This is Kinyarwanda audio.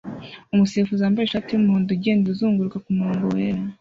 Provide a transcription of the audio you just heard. Umusifuzi wambaye ishati yumuhondo ugenda uzunguruka kumurongo wera